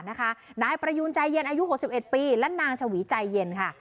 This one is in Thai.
นะคะนายประยูนใจเย็นอายุหกสิบเอ็ดปีและนางชวีใจเย็นค่ะ